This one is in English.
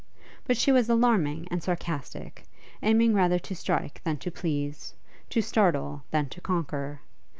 But she was alarming and sarcastic, aiming rather to strike than to please, to startle than to conquer.